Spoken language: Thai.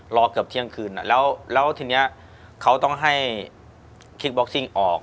เกือบเที่ยงคืนแล้วทีนี้เขาต้องให้คิกบ็อกซิ่งออก